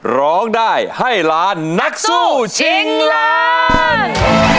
ร้องได้ให้ล้านนักสู้ชิงล้าน